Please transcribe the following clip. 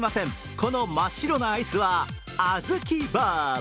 この真っ白なアイスはあずきバー。